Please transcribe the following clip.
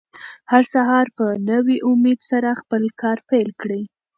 هر سهار په نوي امېد سره خپل کار پیل کړئ.